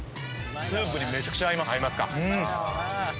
スープにめちゃくちゃ合います。